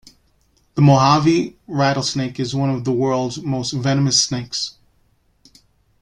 The Mojave rattlesnake is one of the world's most venomous snakes.